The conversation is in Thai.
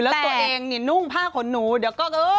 แล้วตัวเองเนี่ยนุ่งผ้าขนหนูเดี๋ยวก็เออ